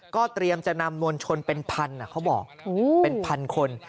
ก็เตรียมจะนำมวลชนเป็นพันเขาบอกเป็นพันคน